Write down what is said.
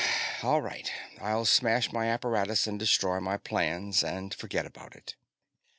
"All right. I'll smash my apparatus and destroy my plans and forget about it."